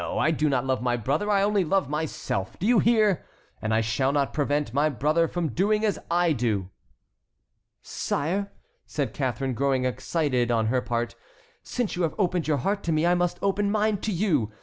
I do not love my brother, I love only myself. Do you hear? And I shall not prevent my brother from doing as I do." "Sire," said Catharine, growing excited on her part, "since you have opened your heart to me I must open mine to you.